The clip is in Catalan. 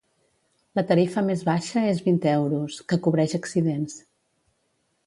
La tarifa més baixa és vint euros, que cobreix accidents.